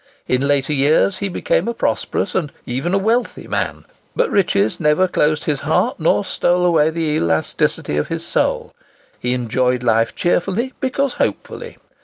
In later years he became a prosperous and even a wealthy man; but riches never closed his heart, nor stole away the elasticity of his soul. He enjoyed life cheerfully, because hopefully.